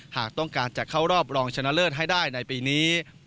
หากต้องการจะเข้ารอบรองชนะเลิศให้ได้ในปีนี้